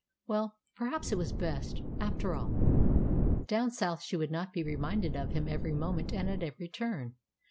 Well, perhaps it was best, after all. Down south she would not be reminded of him every moment and at every turn.